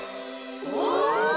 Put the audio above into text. お！